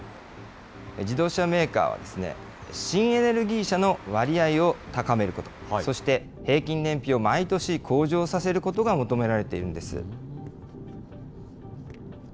自動車メーカーは、新エネルギー車の割合を高めること、そして平均燃費を毎年向上させることが求められているんです。